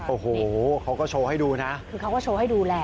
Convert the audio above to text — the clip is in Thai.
โอ้โหเขาก็โชว์ให้ดูนะ